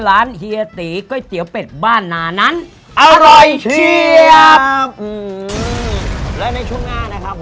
เฮียตีก๋วยเตี๋ยวเป็ดบ้านนานั้นอร่อยเชียบครับอืมและในช่วงหน้านะครับผม